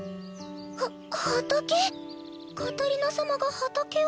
カタリナ様が畑を？